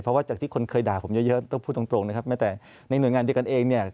เพราะว่าจากที่คนเคยด่าผมเยอะเยอะต้องพูดตรงนะครับแม้แต่ในหน่วยงานเดียวกันเองเนี่ย